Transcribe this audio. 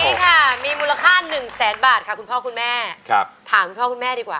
นี่ค่ะมีมูลค่า๑แสนบาทค่ะคุณพ่อคุณแม่ถามคุณพ่อคุณแม่ดีกว่า